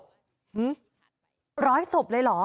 ร้อยศพเลยเหรอ